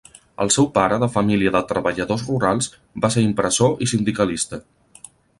El seu pare, de família de treballadors rurals, va ser impressor i sindicalista.